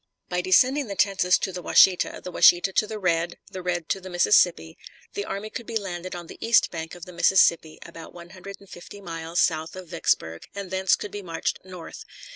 By descending the Tensas to the Washita, the Washita to the Red, the Red to the Mississippi, the army could be landed on the east bank of the Mississippi about one hundred and fifty miles south of Vicksburg, and thence could be marched north.